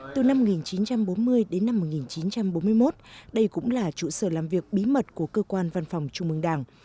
từ năm một nghìn chín trăm bốn mươi đến năm một nghìn chín trăm bốn mươi một đây cũng là trụ sở làm việc bí mật của cơ quan văn phòng trung mương đảng